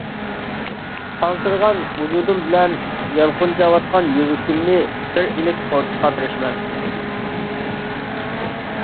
قانسىرىغان ۋۇجۇدۇم بىلەن يالقۇنجاۋاتقان يۈرىكىمنى بىر ئىلىك خورىتىشقا تىرىشىمەن.